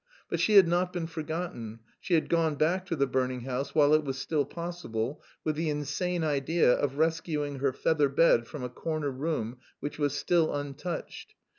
But she had not been forgotten; she had gone back to the burning house while it was still possible, with the insane idea of rescuing her feather bed from a corner room which was still untouched.